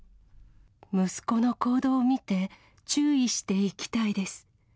息子の行動を見て、注意していきたいです。